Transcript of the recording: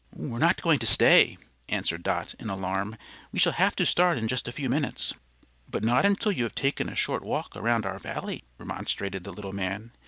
"We're not going to stay," answered Dot, in alarm. "We shall have to start in just a few minutes." "But not until you have taken a short walk around our Valley," remonstrated the little man.